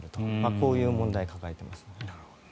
こういう問題を抱えていますね。